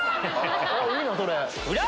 いいなそれ。